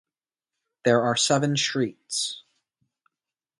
There are seven streets.